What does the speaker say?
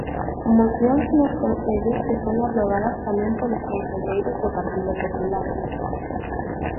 Mocións nos concellos que son aprobadas tamén polos concelleiros do Partido Popular.